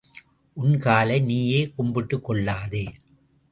உன் காலை நீயே கும்பிட்டுக் கொள்ளாதே.